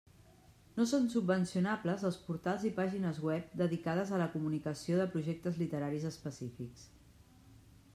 No són subvencionables els portals i pàgines web dedicades a la comunicació de projectes literaris específics.